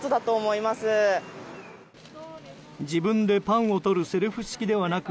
自分でパンを取るセルフ式ではなく